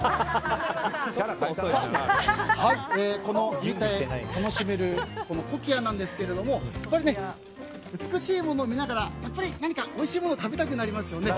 この楽しめるコキアなんですがやっぱり美しいものを見ながら何かおいしいものを食べたくなりますよね。